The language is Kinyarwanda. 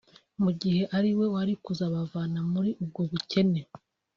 mu gihe ari we wari kuzabavana muri ubwo bukene